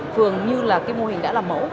thường như mô hình đã là mẫu